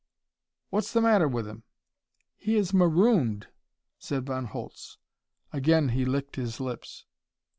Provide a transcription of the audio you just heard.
"What's the matter with him?" "He is marooned," said Von Holtz. Again he licked his lips.